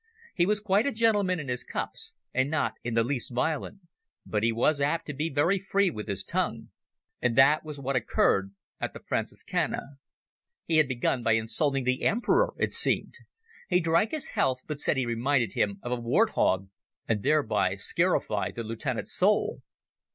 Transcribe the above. He was quite a gentleman in his cups, and not in the least violent, but he was apt to be very free with his tongue. And that was what occurred at the Franciscana. He had begun by insulting the Emperor, it seemed. He drank his health, but said he reminded him of a wart hog, and thereby scarified the lieutenant's soul.